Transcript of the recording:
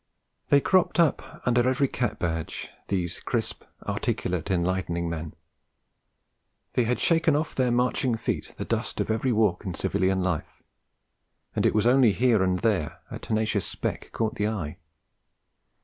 They cropped up under every cap badge, these crisp, articulate, enlightening men; they had shaken off their marching feet the dust of every walk in civil life, and it was only here and there a tenacious speck caught the eye.